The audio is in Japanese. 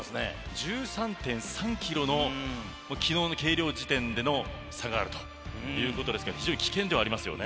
１３．３ｋｇの昨日の計量時点での差があるということですけど非常に危険ではありますね。